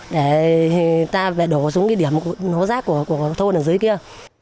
để ta phải đổ xuống cái điểm hố rác của thôn ở dưới kia